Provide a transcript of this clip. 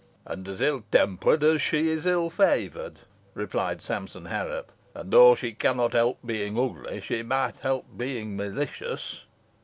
"And as ill tempered as she is ill favoured," rejoined Sampson Harrop; "and, though she cannot help being ugly, she might help being malicious."